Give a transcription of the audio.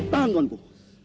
tahan tuan ku